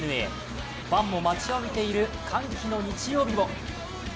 ファンも待ちわびている歓喜の日曜日を。